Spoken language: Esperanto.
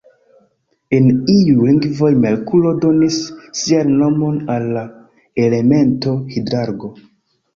En iuj lingvoj, Merkuro donis sian nomon al la elemento hidrargo.